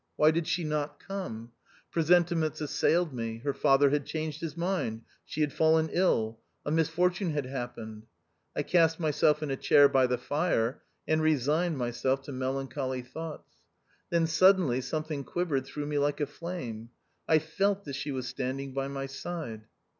Why did she not come ? Presentiments assailed me. Her father had changed his mind ; she had fallen ill. A misfortune had happened. I cast myself in a chair by the fire, and resigned myself to melancholy thoughts. Then suddenly something quivered through me like a flame. I felt that she was stand ing by my side.